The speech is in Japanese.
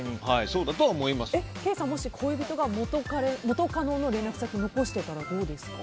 ケイさん、もし恋人が元カノの連絡先を残していたら、どうですか？